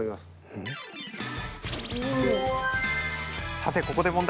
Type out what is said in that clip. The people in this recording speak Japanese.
さてここで問題。